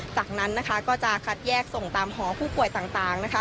จากนั้นนะคะก็จะคัดแยกส่งตามหอผู้ป่วยต่างนะคะ